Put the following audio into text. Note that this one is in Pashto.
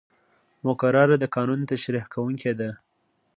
مقرره د قانون تشریح کوونکې ده.